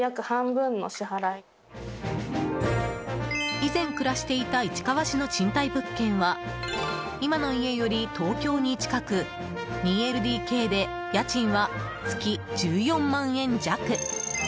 以前、暮らしていた市川市の賃貸物件は今の家より東京に近く２ＬＤＫで家賃は月１４万円弱。